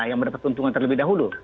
yang mendapat keuntungan terlebih dahulu